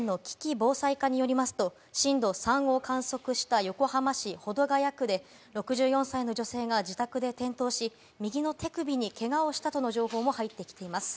防災課によりますと、震度３を観測した横浜市保土ケ谷区で、６４歳の女性が自宅で転倒し、右の手首にけがをしたとの情報も入ってきています。